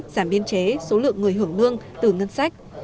giảm biên chế số lượng người hưởng lương từ ngân sách